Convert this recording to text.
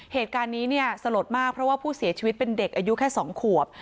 เหตุการณ์นี้เนี่ยสลดมากเพราะว่าผู้เสียชีวิตเป็นเด็กอายุแค่๒ขวบ